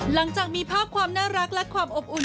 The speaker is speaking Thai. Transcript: หลังจากมีภาพความน่ารักและความอบอุ่น